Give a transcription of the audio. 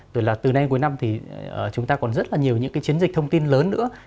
rồi là từ nay đến cuối năm thì chúng ta còn rất là nhiều những cái chiến dịch thông tin lớn nữa